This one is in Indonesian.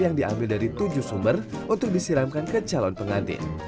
yang diambil dari tujuh sumber untuk disiramkan ke calon pengantin